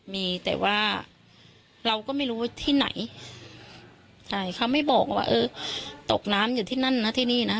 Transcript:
มีแต่ว่าเราก็ไม่รู้ว่าที่ไหนใช่เขาไม่บอกว่าเออตกน้ำอยู่ที่นั่นนะที่นี่นะ